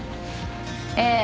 ええ。